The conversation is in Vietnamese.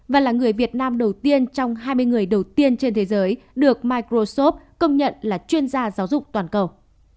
và là người việt nam đầu tiên trong hai mươi người đầu tiên trên thế giới được microsoft công nhận là chuyên gia giáo dục toàn cầu